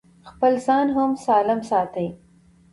خپل ځان هم سالم ساتي.